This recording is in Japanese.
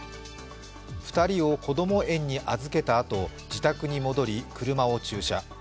２人をこども園に預けたあと自宅に戻り車を駐車。